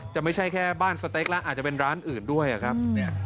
ไม่ใช่แค่บ้านสเต็กแล้วอาจจะเป็นร้านอื่นด้วยครับ